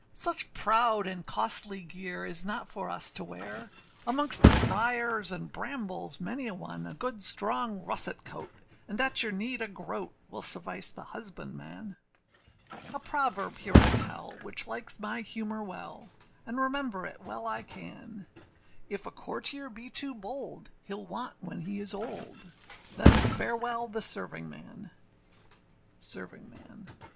Such proud and costly gear is not for us to wear; Amongst the briers and brambles many a one, A good strong russet coat, and at your need a groat, Will suffice the husbandman. A proverb here I tell, which likes my humour well, And remember it well I can, If a courtier be too bold, heâll want when he is old. Then farewell the servingman. SERVINGMAN.